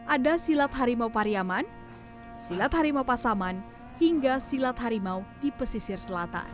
ada silat harimau pariaman silat harimau pasaman hingga silat harimau di pesisir selatan